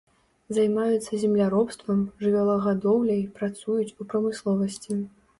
Займаюцца земляробствам, жывёлагадоўляй, працуюць у прамысловасці.